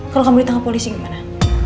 kalau kamu ditangkap polisi gimana